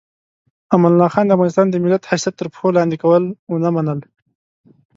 امان الله خان د افغانستان د ملت حیثیت تر پښو لاندې کول ونه منل.